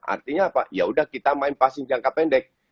artinya apa ya sudah kita main passing jangka pendek